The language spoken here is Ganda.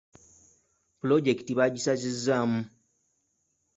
Pulojekiti baagisazizzaamu.